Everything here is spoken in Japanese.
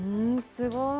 すごい。